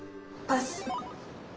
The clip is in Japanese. パス。